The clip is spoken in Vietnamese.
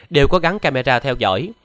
đều có gắn camera theo dõi